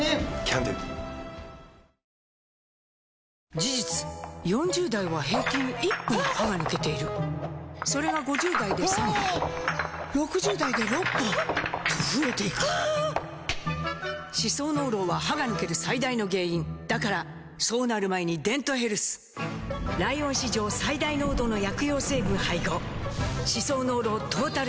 事実４０代は平均１本歯が抜けているそれが５０代で３本６０代で６本と増えていく歯槽膿漏は歯が抜ける最大の原因だからそうなる前に「デントヘルス」ライオン史上最大濃度の薬用成分配合歯槽膿漏トータルケア！